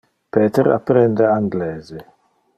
Peter apprende anglese.